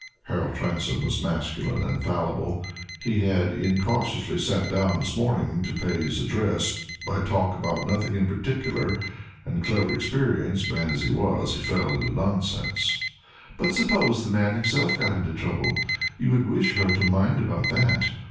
(Harold Transome was masculine and fallible; he had incautiously sat down this morning to pay his addresses by talk about nothing in particular; and, clever experienced man as he was, he fell into nonsense.) "But suppose the man himself got into trouble you would wish her to mind about that.